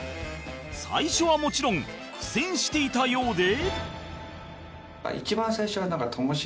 最初はもちろん苦戦していたようで